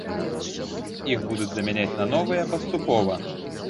Іх будуць замяняць на новыя паступова.